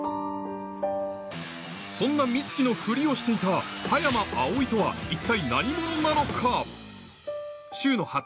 そんな美月のフリをしていた葉山葵とは一体何者なのか？